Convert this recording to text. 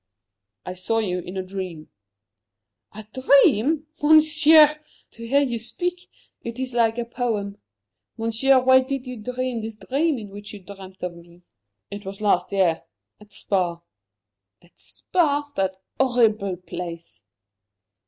"I saw you in a dream." "A dream? Monsieur! To hear you speak it is like a poem. Monsieur, where did you dream this dream in which you dreamt of me?" "It was last year, at Spa." "At Spa that horrible place?"